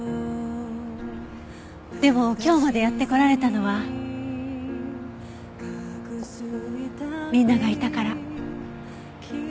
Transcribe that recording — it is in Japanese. でも今日までやってこられたのはみんながいたから。